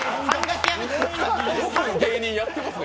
よくも芸人やってますね